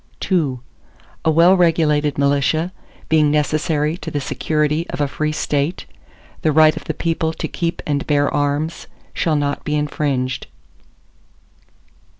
ARTICLE II A well regulated militia, being necessary to the security of a free State, the right of the people to keep and bear arms shall not be infringed.